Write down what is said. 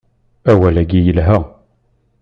Awal-agi yelha.